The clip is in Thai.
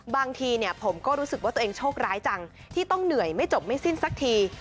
บางทีผมก็รู้สึกว่าตัวเองโชคร้ายจังที่ต้องเหนื่อยไม่จบไม่สิ้นสักที